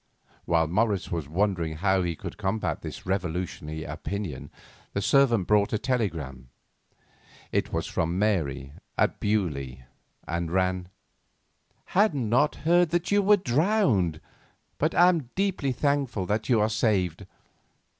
While Morris was wondering how he could combat this revolutionary opinion, the servant brought in a telegram. It was from Mary, at Beaulieu, and ran: "Had not heard that you were drowned, but am deeply thankful that you are saved.